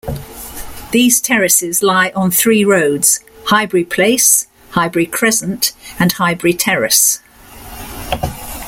These terraces lie on three roads: Highbury Place, Highbury Crescent, and Highbury Terrace.